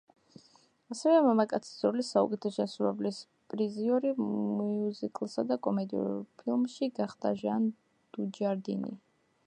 ასევე მამაკაცის როლის საუკეთესო შემსრულებლის პრიზიორი, მიუზიკლსა ან კომედიურ ფილმში, გახდა ჟან დუჯარდინი.